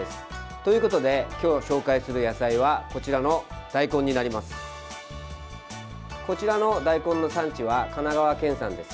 ということで今日紹介する野菜はこちらの大根になります。